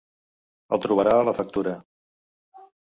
El trobarà a la factura.